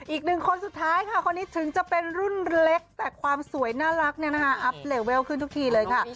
อีกหนึ่งคนสุดท้ายค่ะคนนี้ถึงจะเป็นรุ่นเล็กแต่ความสวยน่ารักเนี่ยนะคะอัพเลเวลขึ้นทุกทีเลยค่ะ